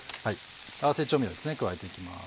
合わせ調味料ですね加えていきます。